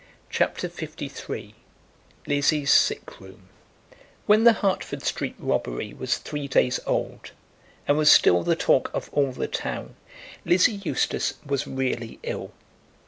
CHAPTER LIII Lizzie's Sick Room When the Hertford Street robbery was three days old, and was still the talk of all the town, Lizzie Eustace was really ill.